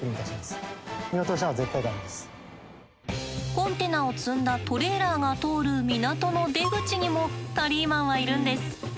コンテナを積んだトレーラーが通る港の出口にもタリーマンはいるんです。